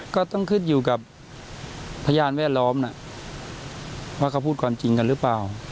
ก็ต้องขึ้นอยู่กับพยานแวดล้อมว่าเขาพูดความจริงกันหรือเปล่า